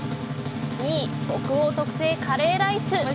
２位、北欧特製カレーライス。